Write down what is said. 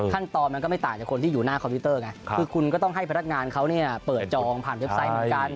มันก็ไม่ต่างจากคนที่อยู่หน้าคอมพิวเตอร์ไงคือคุณก็ต้องให้พนักงานเขาเนี่ยเปิดจองผ่านเว็บไซต์เหมือนกัน